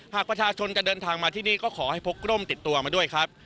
หากประชาชนจะเดินทางมาที่นี่ก็ขอให้พกร่มติดตัวมาด้วยครับ